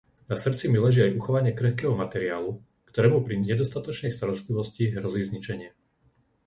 Na srdci mi leží aj uchovanie krehkého materiálu, ktorému pri nedostatočnej starostlivosti hrozí zničenie.